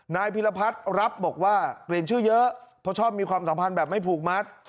นายพิรพัฒน์รับบอกว่าเปลี่ยนชื่อเยอะเพราะชอบมีความสัมพันธ์แบบไม่ผูกมัด